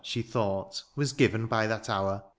She thought, was given by that hour.